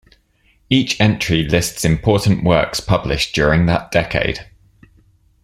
Each entry lists important works published during that decade.